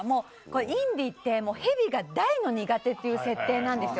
インディってヘビが大の苦手っていう設定なんですよ。